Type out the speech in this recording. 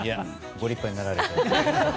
ご立派になられて。